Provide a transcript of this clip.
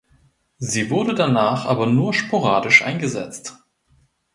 Sie wurde danach aber nur sporadisch eingesetzt.